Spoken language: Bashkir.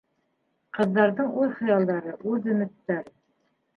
Ҡыҙҙарҙың үҙ хыялдары, үҙ өмөттәре.